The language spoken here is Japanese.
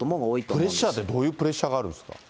プレッシャーってどういうプレッシャーがあるんですか？